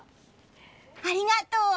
ありがとう！